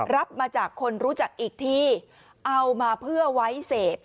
รับมาจากคนรู้จักอีกทีเอามาเพื่อไว้เสพ